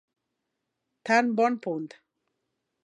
Tan bon punt.